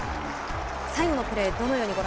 最後のプレー